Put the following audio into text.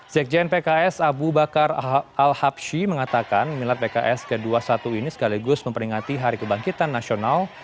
sekjen pks abu bakar al habshi mengatakan minat pks ke dua puluh satu ini sekaligus memperingati hari kebangkitan nasional